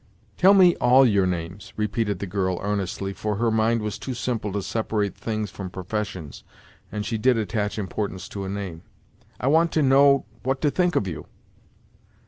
"Tell me all your names," repeated the girl, earnestly, for her mind was too simple to separate things from professions, and she did attach importance to a name; "I want to know what to think of you."